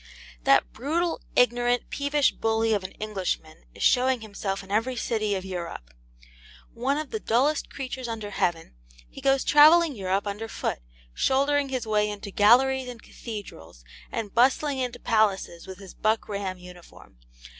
That brutal, ignorant, peevish bully of an Englishman is showing himself in every city of Europe. One of the dullest creatures under heaven, he goes travelling Europe under foot, shouldering his way into galleries and cathedrals, and bustling into palaces with his buck ram uniform.